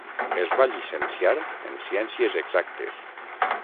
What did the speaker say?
Es va llicenciar en Ciències Exactes.